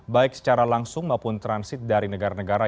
baik secara langsung maupun transit dari negara negara